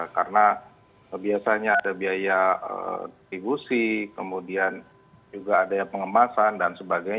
karena biasanya ada biaya divusi kemudian juga ada yang pengemasan dan sebagainya